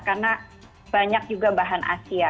karena banyak juga bahan asia